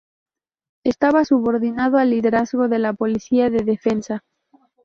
Estaba subordinado al liderazgo de la policía de defensa.